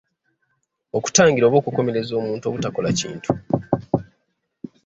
Okutangira oba okukomereza omuntu obutakola kintu.